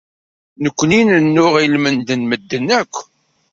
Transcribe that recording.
Nekkni nennuɣ i lmend n medden akk.